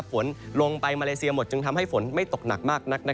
ฝนลงไปมาเลเซียหมดจึงทำให้ฝนไม่ตกหนักมากนัก